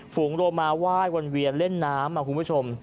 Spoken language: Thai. ฝูงโรมาไหว้วนเวียนเล่นน้ำคุณผู้ชม